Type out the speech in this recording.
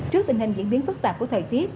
trước tình hình diễn biến phức tạp của thời tiết